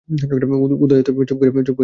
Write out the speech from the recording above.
উদয়াদিত্য চুপ করিয়া বসিয়া আছেন।